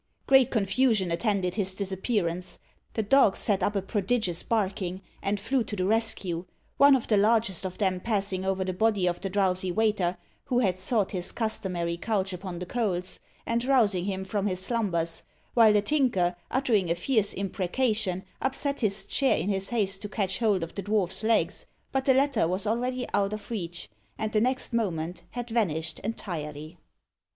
Great confusion attended his disappearance. The dogs set up a prodigious barking, and flew to the rescue one of the largest of them passing over the body of the drowsy waiter, who had sought his customary couch upon the coals, and rousing him from his slumbers; while the Tinker, uttering a fierce imprecation, upset his chair in his haste to catch hold of the dwarf's legs; but the latter was already out of reach, and the next moment had vanished entirely.